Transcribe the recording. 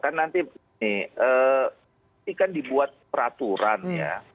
kan nanti ini kan dibuat peraturan ya